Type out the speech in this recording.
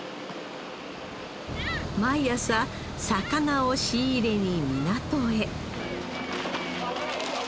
毎朝魚を仕入れに港へ